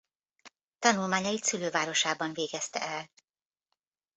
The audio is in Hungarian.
Tanulmányait szülővárosában végezte el.